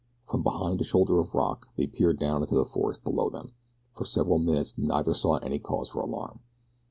From behind a shoulder of rock they peered down into the forest below them. For several minutes neither saw any cause for alarm.